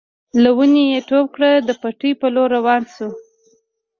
له ونې يې ټوپ کړ د پټي په لور روان شو.